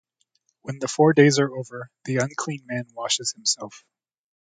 When the four days are over, the unclean man washes himself.